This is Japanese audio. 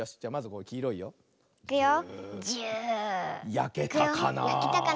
やけたかな。